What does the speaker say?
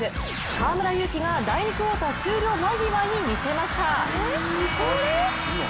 河村勇輝が第２クオーター終了間際に見せました。